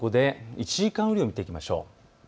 １時間雨量を見ていきましょう。